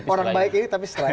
orang baik ini tapi setelah ini